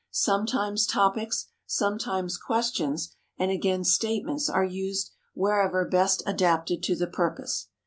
Sometimes topics, sometimes questions, and again statements are used wherever best adapted to the purpose.